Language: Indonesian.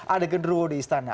ada genderuwo di istana